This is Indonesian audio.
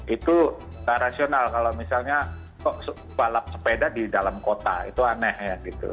itu rasional kalau misalnya balap sepeda di dalam kota itu aneh ya gitu